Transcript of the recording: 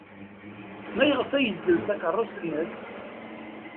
Maɣef ay yessenz takeṛṛust-nnes?